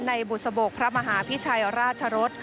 บุษบกพระมหาพิชัยราชรส